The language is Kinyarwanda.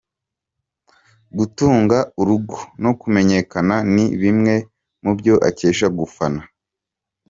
Gutunga urugo, no kumenyekana ni bimwe mubyo akesha gufana .